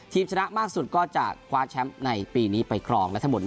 ชนะมากสุดก็จะคว้าแชมป์ในปีนี้ไปครองได้ทั้งหมด